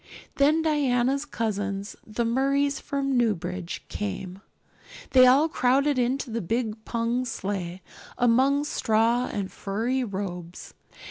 Then Diana's cousins, the Murrays from Newbridge, came; they all crowded into the big pung sleigh, among straw and furry robes.